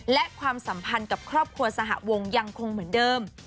และความสัมพันธ์กับครอบครัวสหวงยังคงเหมือนเดิม